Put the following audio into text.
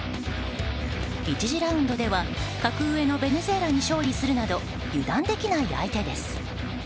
１次ラウンドでは格上のベネズエラに勝利するなど油断できない相手です。